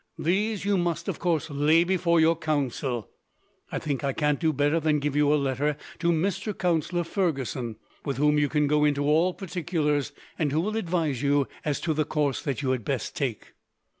These you must, of course, lay before your counsel. I think I can't do better than give you a letter to Mr. Counsellor Fergusson, with whom you can go into all particulars, and who will advise you as to the course that you had best take."